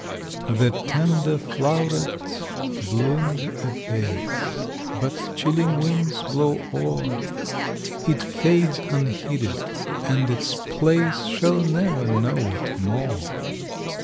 The tender flow'ret blooms apace, But chilling winds blow o'er; It fades unheeded, and its place Shall never know it more.